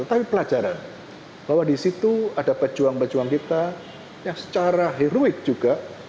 tetapi pelajaran bahwa di situ ada pejuang pejuang kita yang secara heroik juga